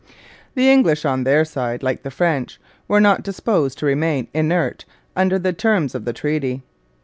The English on their side, like the French, were not disposed to remain inert under the terms of the treaty.